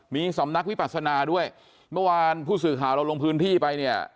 มีสำนักวิปัสนาด้วยเมื่อวานผู้สื่อข่าวเราลงพื้นที่ไปเนี่ย